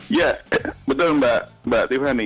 iya betul mbak tiffany